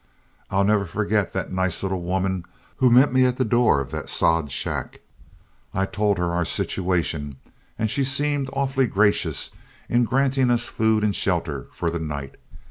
I'll never forget that nice little woman who met me at the door of that sod shack. I told her our situation, and she seemed awfully gracious in granting us food and shelter for the night.